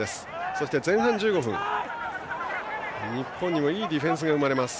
そして前半１５分日本にもいいディフェンスが生まれます。